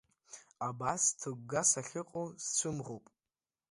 Абас сҭыгга сахьыҟоу сцәымӷуп.